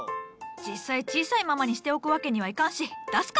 実際小さいままにしておくわけにはいかんし出すか。